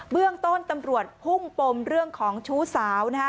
เรื่องต้นตำรวจพุ่งปมเรื่องของชู้สาวนะฮะ